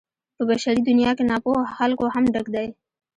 په بشري دنيا کې ناپوهو خلکو هم ډک دی.